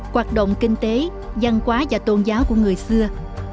hoạt động kinh tế văn hóa và tôn giáo của người xưa